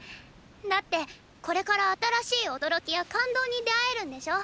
だってこれから新しい驚きや感動に出会えるんでしょ？